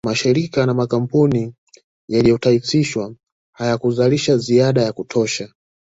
Mashirika na makampuni yaliyotaifishwa hayakuzalisha ziada ya kutosha